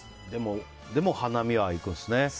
でも、花見は行くんですね。